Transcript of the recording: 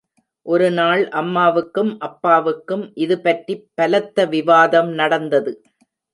ஒருநாள் அம்மாவுக்கும் அப்பாவுக்கும் இதுபற்றிப் பலத்த விவாதம் நடந்தது.